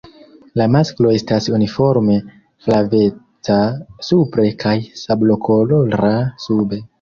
La masklo estas uniforme flaveca supre kaj sablokolora sube.